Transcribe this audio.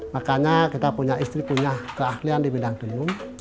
makanya kita punya istri punya keahlian di bidang dulu